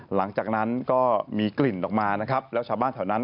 หลังจากนั้นก็มีกลิ่นออกมานะครับแล้วชาวบ้านแถวนั้น